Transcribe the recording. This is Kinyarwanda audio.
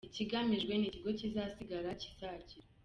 Ikigamijwe ni ikigo kizasigara kizagira.